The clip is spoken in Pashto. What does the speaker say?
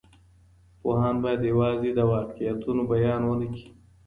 پوهان بايد يوازې د واقعيتونو بيان ونه کړي.